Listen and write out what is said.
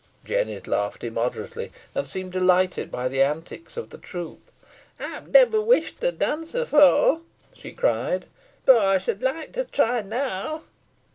Jennet laughed immoderately, and seemed delighted by the antics of the troop. "Ey never wished to dance efore," she cried, "boh ey should like to try now."